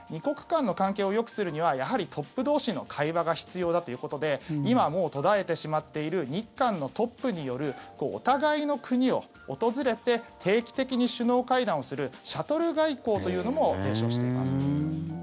２国間の関係をよくするにはやはりトップ同士の会話が必要だということで今、もう途絶えてしまっている日韓のトップによるお互いの国を訪れて定期的に首脳会談をするシャトル外交というのも提唱しています。